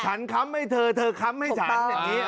ฉันค้ำให้เธอเธอค้ำให้ฉัน